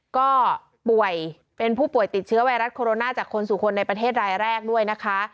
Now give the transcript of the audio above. ก็ป่วยเป็นผู้ป่วยติดเชื้อไวรัสโคโรนาจากคนสู่คนในประเทศรายแรกด้วยนะคะ